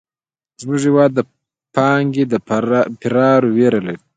زموږ هېواد د پانګې د فرار وېره لري.